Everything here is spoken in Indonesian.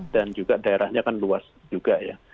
dan juga daerahnya kan luas juga ya